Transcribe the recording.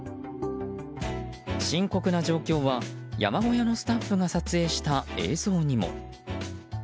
深刻な状況は山小屋のスタッフが撮影した映像にも。